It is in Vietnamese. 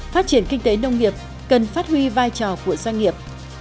phát triển kinh tế nông nghiệp cần phát huy vai trò của doanh nghiệp